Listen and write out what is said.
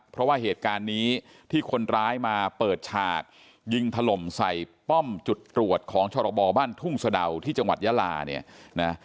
เพราะว่าเหตุการณ์นี้ที่คนร้ายมาเปิดฉากยิงถล่มใส่ป้อมจุดตรวจของชรบบ้านทุ่งสะดาวที่จังหวัดยาลาเนี่ยนะ